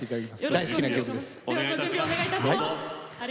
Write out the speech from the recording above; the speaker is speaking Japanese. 大好きな曲です。